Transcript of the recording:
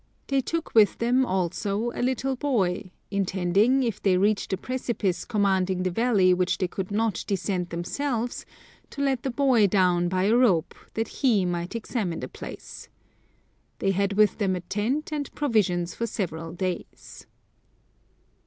They took with them, also, a little boy, intending, if they reached a precipice commanding the valley which they could not de scend themselves, to let the boy down by a rope, that he might examine the place. They had with them a tent, and provisions for several days.